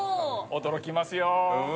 驚きますよ。